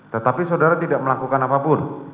tetapi saudara tidak melakukan apapun